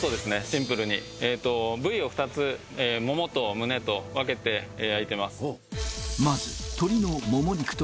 シンプルに部位を２つももとむねと分けて焼いてます